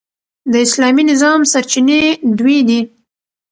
د اسلامي نظام سرچینې دوې دي.